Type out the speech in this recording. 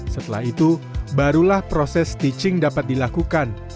setelah itu barulah proses stitching dapat dilakukan